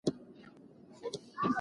ګاونډیان په دې پېښه باندې ډېر حیران شول.